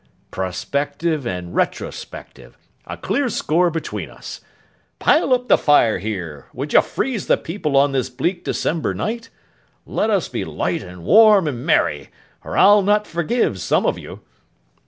Prospective and retrospective—a clear score between us. Pile up the fire here! Would you freeze the people on this bleak December night! Let us be light, and warm, and merry, or I'll not forgive some of you!